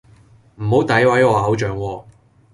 唔好詆毀我偶像喎